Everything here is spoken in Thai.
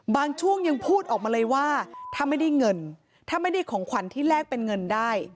ช่วงยังพูดออกมาเลยว่าถ้าไม่ได้เงินถ้าไม่ได้ของขวัญที่แลกเป็นเงินได้